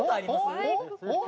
おっ？